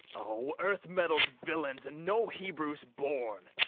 O earth mettled villains, and no Hebrews born!